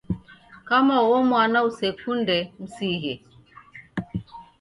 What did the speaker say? Kama uo mwana usekunde msighe